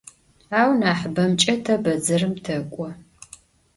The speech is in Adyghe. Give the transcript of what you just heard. Au nahıbemç'e te bedzerım tek'o.